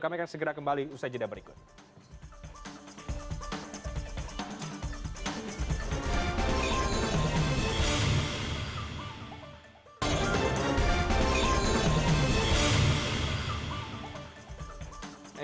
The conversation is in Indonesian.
kami akan segera kembali usai jeda berikut